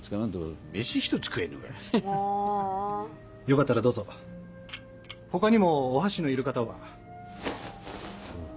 よかったらどうぞ他にもお箸のいる方は。